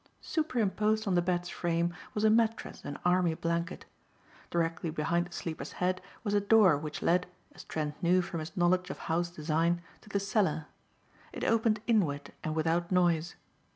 Superimposed on the bed's frame was a mattress and army blanket. Directly behind the sleeper's head was a door which led, as Trent knew from his knowledge of house design, to the cellar. It opened inward and without noise.